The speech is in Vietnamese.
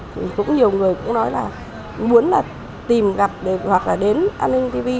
thì cũng nhiều người cũng nói là muốn là tìm gặp hoặc là đến an ninh tv